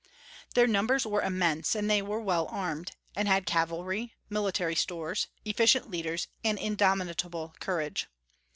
Their numbers were immense, and they were well armed, and had cavalry, military stores, efficient leaders, and indomitable courage.